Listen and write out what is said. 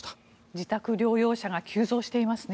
自宅療養者が急増していますね。